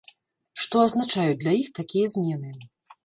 Што азначаюць для іх такія змены?